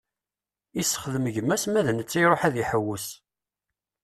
Isexdem gma-s, ma d netta iṛuḥ ad iḥewwes.